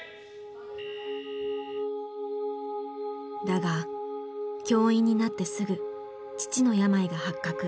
だが教員になってすぐ父の病が発覚。